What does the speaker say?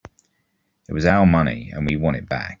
It was our money and we want it back.